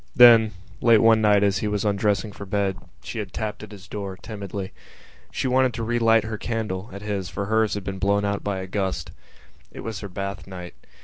Then late one night as he was undressing for bed she had tapped at his door, timidly. She wanted to relight her candle at his for hers had been blown out by a gust. It was her bath night.